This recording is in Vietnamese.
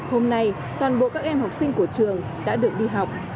hôm nay toàn bộ các em học sinh của trường đã được đi học